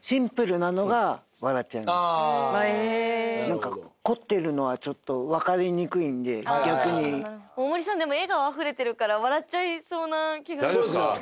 シンプルなのが笑っちゃいますなんか凝ってるのはちょっと分かりにくいんで逆に大森さんでも笑顔あふれてるから笑っちゃいそうな気がする大丈夫ですか？